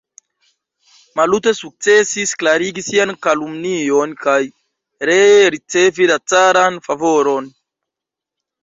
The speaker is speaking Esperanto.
Maluto sukcesis klarigi sian kalumnion kaj ree ricevi la caran favoron.